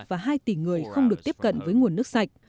và hai tỷ người không được tiếp cận với nguồn nước sạch